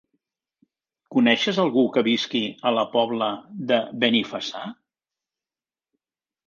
Coneixes algú que visqui a la Pobla de Benifassà?